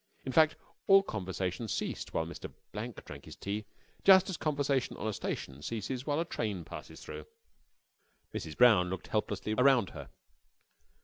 In fact, all conversation ceased while Mr. Blank drank his tea, just as conversation on a station ceases while a train passes through. Mrs. Brown looked helplessly around her.